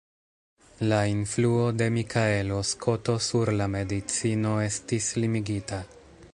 La influo de Mikaelo Skoto sur la medicino estis limigita.